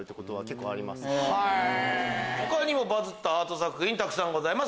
他にもバズったアート作品たくさんございます。